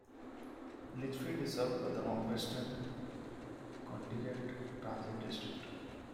Litchfield is served by the Northwestern Connecticut Transit District.